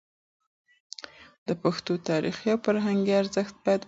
د پښتو تاریخي او فرهنګي ارزښت باید وساتل شي.